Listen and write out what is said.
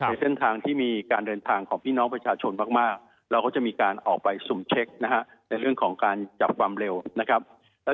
ในเส้นทางที่มีการเดินทางของพี่น้องประชาชนมากเราก็จะมีการออกไปสุ่มเช็คนะฮะในเรื่องของการจับความเร็วนะครับ